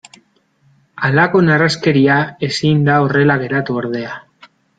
Halako narraskeria ezin da horrela geratu ordea.